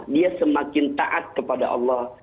dia semakin taat kepada allah